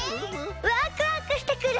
ワクワクしてくる！